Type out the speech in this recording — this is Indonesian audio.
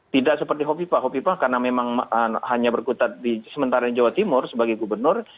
tidak seperti hobipa hopipa karena memang hanya berkutat di sementara jawa timur sebagai gubernur